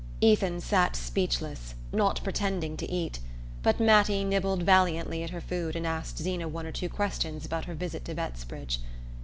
Ethan sat speechless, not pretending to eat, but Mattie nibbled valiantly at her food and asked Zeena one or two questions about her visit to Bettsbridge.